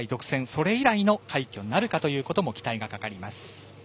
それ以来の快挙なるかという期待がかかります。